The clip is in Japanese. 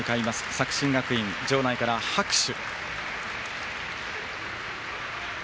作新学院、場内から拍手。